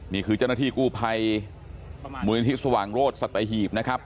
นี่คือเจ้าหน้าที่กู้ภัยมูลนิธิสว่างโรธสัตหีบนะครับ